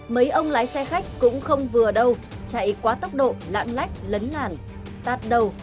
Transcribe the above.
mấy ông lái xe khách cũng không vừa đâu chạy quá tốc độ lãng lách lấn nản tạt đầu